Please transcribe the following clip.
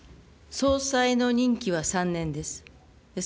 総裁の任期は３年です。